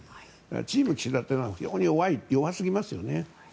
チーム岸田というのは弱すぎますよね。